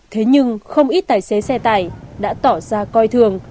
thế nhưng không ít tài xế xe tải đã tỏ ra coi thường